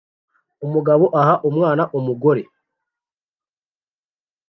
Umugabo aha umwana umugore